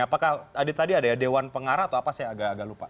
apakah ada dewan pengarah atau apa saya agak lupa